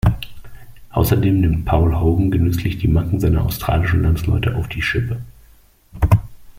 Außerdem nimmt Paul Hogan genüsslich die Macken seiner australischen Landsleute auf die Schippe.